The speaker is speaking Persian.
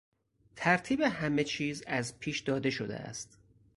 ترتیب همه چیز از پیش داده شده است.